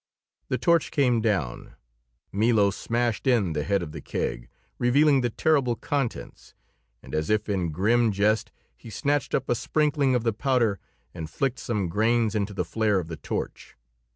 The torch came down, Milo smashed in the head of the keg, revealing the terrible contents, and as if in grim jest he snatched up a sprinkling of the powder and flicked some grains into the flare of the torch.